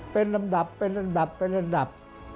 เป็นลำดับเป็นอันดับเป็นระดับ